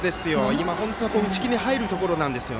今、打ち気に入るところなんですよ。